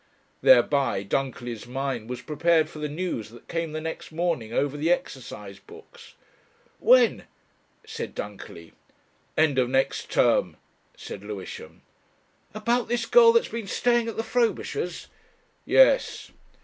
Thereby Dunkerley's mind was prepared for the news that came the next morning over the exercise books. "When?" said Dunkerley. "End of next term," said Lewisham. "About this girl that's been staying at the Frobishers?" "Yes."